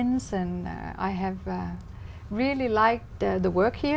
đan mạc truyền thông thường